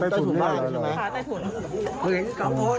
อือตรงนี้ครับต้ายถุนต๊ายถุนบ้านหรือใช่ต้ายถุน